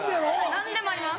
何でもあります。